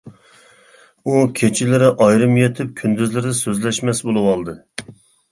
ئۇ كېچىلىرى ئايرىم يېتىپ، كۈندۈزلىرى سۆزلەشمەس بولۇۋالدى.